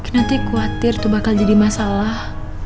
nanti kuatir tuh bakal jadi masalah